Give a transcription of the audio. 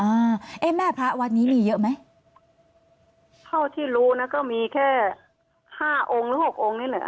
อ่าเอ๊ะแม่พระวัดนี้มีเยอะไหมเท่าที่รู้นะก็มีแค่ห้าองค์หรือหกองค์นี่แหละ